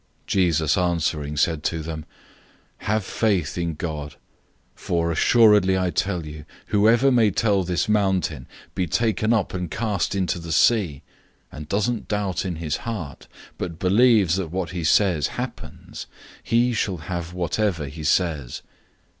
011:022 Jesus answered them, "Have faith in God. 011:023 For most certainly I tell you, whoever may tell this mountain, 'Be taken up and cast into the sea,' and doesn't doubt in his heart, but believes that what he says is happening; he shall have whatever he says.